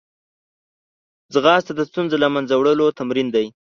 منډه د ستونزو له منځه وړو تمرین دی